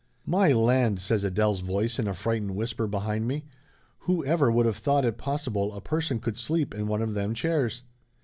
"My land !" says Adele's voice in a frightened whis per behind me. "Who ever would of thought it pos sible a person could sleep in one of them chairs